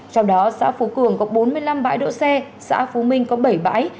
trong đó xã phú cường có bốn mươi năm bãi đỗ xe xã phú minh có bảy bãi